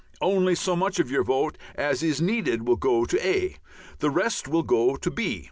Only so much of your vote as is needed will go to A; the rest will go to B.